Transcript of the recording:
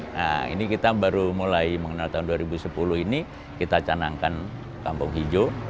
nah ini kita baru mulai mengenal tahun dua ribu sepuluh ini kita canangkan kampung hijau